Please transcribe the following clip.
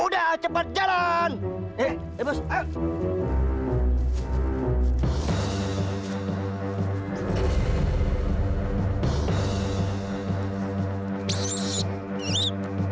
terima kasih terima kasih